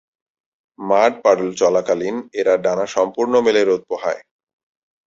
Mud puddle চলাকালীন এরা ডানা সম্পূর্ণ মেলে রোদ পোহায়।